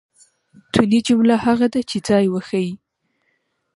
توني؛ جمله هغه ده، چي ځای وښیي.